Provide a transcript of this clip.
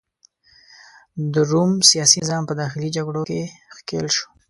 د روم سیاسي نظام په داخلي جګړو کې ښکیل شو.